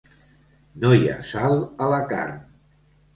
No hi ha sal a la carn.